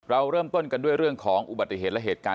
เราเริ่มต้นกันด้วยเรื่องของอุบัติเหตุและเหตุการณ์